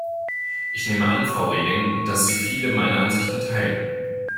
Ich nehme an, Frau Reding, dass Sie viele meiner Ansichten teilen.